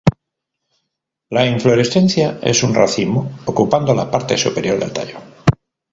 La inflorescencia es un racimo ocupando la parte superior del tallo.